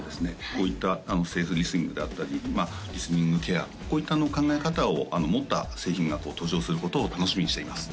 こういったセーフリスニングであったりリスニングケアこういった考え方を持った製品が登場することを楽しみにしています